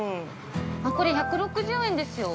これ１６０円ですよ。